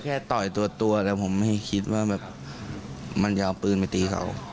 อ้าวในภูมิ